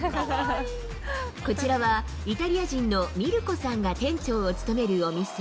こちらは、イタリア人のミルコさんが店長を務めるお店。